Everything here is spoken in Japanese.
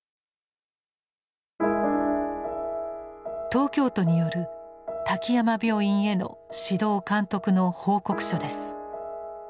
東京都による滝山病院への指導監督の報告書です。